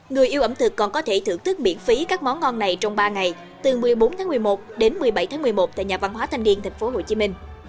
người yêu ẩm thực còn có thể thưởng thức miễn phí các món ngon này trong ba ngày từ một mươi bốn tháng một mươi một đến một mươi bảy tháng một mươi một tại nhà văn hóa thanh niên tp hcm